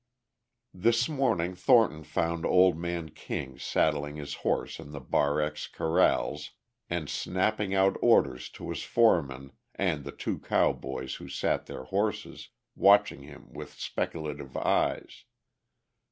This morning Thornton found old man King saddling his horse in the Bar X corrals and snapping out orders to his foreman and the two cowboys who sat their horses watching him with speculative eyes.